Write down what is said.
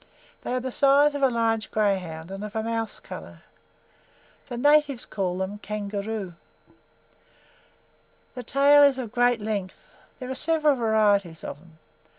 They are the size of a large greyhound, and of a mouse colour. The natives call them "kanguru." The tail is of great strength. There are several varieties of them.